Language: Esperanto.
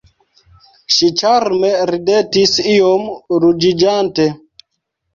Ŝi ĉarme ridetis iom ruĝiĝante.